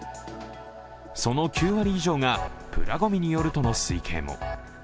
その９割以上が、プラゴミによるとの推計も。